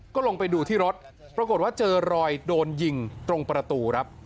ก็ลงไปดูที่รถปรากฏว่าเจอรอยโดนยิงตรงประตูครับ